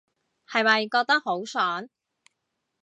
係咪覺得好爽